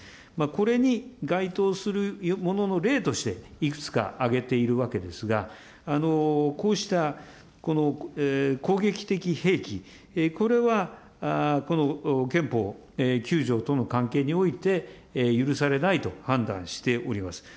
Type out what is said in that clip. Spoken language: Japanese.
これに該当するものの例として、いくつか挙げているわけですが、こうした攻撃的兵器、これはこの憲法９条との関係において、許されないと判断しております。